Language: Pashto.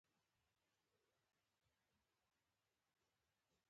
دا توکي رنګونو ته ځلا ورکوي او د زرو لامل کیږي.